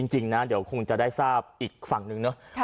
จริงนะเดี๋ยวคงจะได้ทราบอีกฝั่งหนึ่งเนอะ